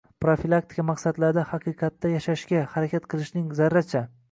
profilaktika maqsadlarida “haqiqatda yashashga” harakat qilishning zarracha